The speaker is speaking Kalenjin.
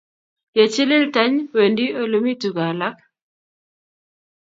Ye chilil tany, wendi ole mi tugaa alak.